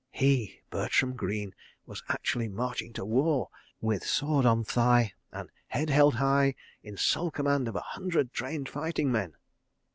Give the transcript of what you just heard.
He, Bertram Greene, was actually marching to war, with sword on thigh, and head held high, in sole command of a hundred trained fighting men!